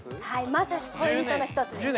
まさにポイントの一つです。